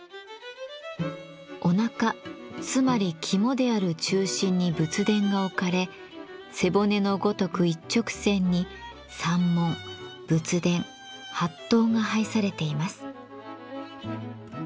おなかつまり肝である中心に仏殿が置かれ背骨のごとく一直線に山門仏殿法堂が配されています。